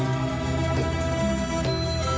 โอ้โหโอ้โหโอ้โหโอ้โห